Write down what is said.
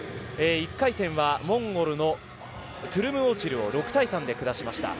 １回戦はモンゴルのトゥムル・オチルを６対３で下しました。